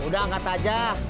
udah angkat aja